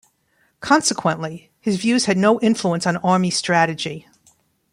Consequently, his views had no influence on army strategy.